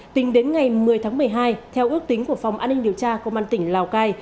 tính đến ngày một mươi tháng một mươi hai theo ước tính của phòng an ninh điều tra công an tỉnh lào cai